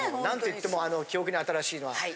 何と言っても記憶に新しいのは。